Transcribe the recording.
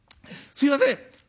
すいません」。